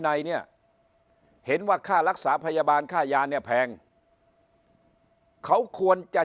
ในเนี่ยเห็นว่าค่ารักษาพยาบาลค่ายาเนี่ยแพงเขาควรจะ